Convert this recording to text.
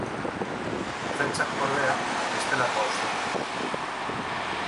Defentsak, ordea, bestelakoa uste du.